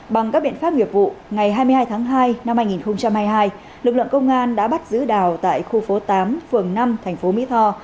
bằng các biện pháp nghiệp vụ ngày hai mươi hai tháng hai năm hai nghìn hai mươi hai lực lượng công an đã bắt giữ đào tại khu phố tám phường năm thành phố mỹ tho